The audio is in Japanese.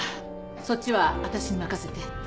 そっちは私に任せて。